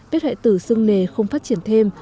vết hoại tử sưng nề không phát triển thêm